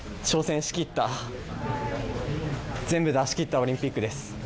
挑戦しきった、全部出しきったオリンピックです。